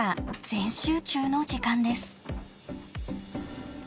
全集中の時間です。